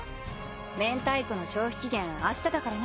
明太子の消費期限明日だからな。